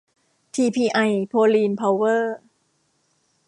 ทีพีไอ โพลีน เพาเวอร์